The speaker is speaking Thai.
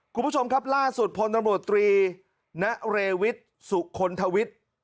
คุณผู้ชมครับล่าสุดพลตำรวจตรีณเรวิทสุคลทวิทย์